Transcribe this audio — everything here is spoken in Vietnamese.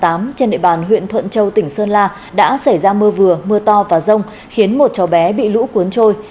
trên địa bàn huyện thuận châu tỉnh sơn la đã xảy ra mưa vừa mưa to và rông khiến một cháu bé bị lũ cuốn trôi